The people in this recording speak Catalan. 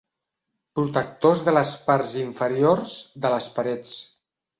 Protectors de les parts inferiors de les parets.